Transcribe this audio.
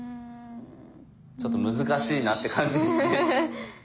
ちょっと難しいなって感じですね。